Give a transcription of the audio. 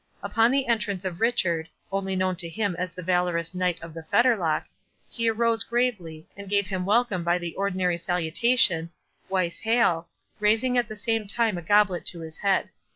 Upon the entrance of Richard (only known to him as the valorous Knight of the Fetterlock) he arose gravely, and gave him welcome by the ordinary salutation, "Waes hael", raising at the same time a goblet to his head.